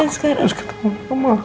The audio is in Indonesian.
aku harus ketemu mama